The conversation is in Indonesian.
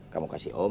kamu kasih om